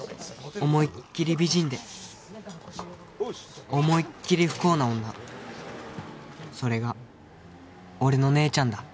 思いっきり美人で思いっきり不幸な女それが俺の姉ちゃんだ